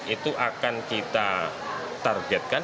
itu akan kita targetkan